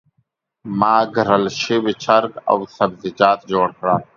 ما ګرل شوي چرګ او سبزیجات جوړ کړل.